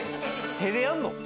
手でやんの？